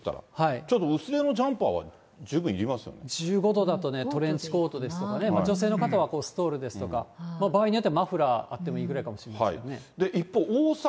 ちょっと薄めのジャンパーは十分１５度だと、トレンチコートですとかね、女性の方はストールですとか、場合によってはマフラーあってもいいぐらいかもしれませんね。